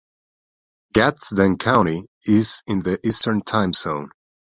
Gadsden County is in the Eastern Time Zone.